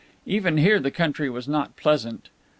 Even here the country was not pleasant.